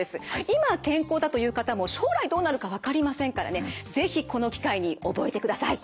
今健康だという方も将来どうなるか分かりませんからね是非この機会に覚えてください！